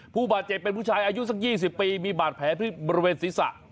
ผู้บาดเจ็บเป็นผู้ชายอายุสัก๒๐ปีมีบาดแผลที่บริเวณศีรษะ